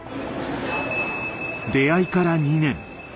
出会いから２年。